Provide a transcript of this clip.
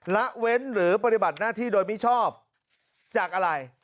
ละเว้นหรือปฏิบัติหน้าที่โดยมิชอบจากอะไร